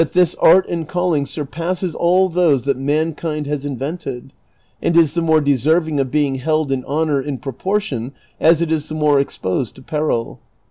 this art and calling surpasses all those that mankind has in vented, and is the more deserving of being held in honor in proportion as it is the more exposed to peril.